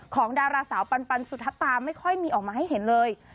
ดาราสาวปันสุธตาไม่ค่อยมีออกมาให้เห็นเลย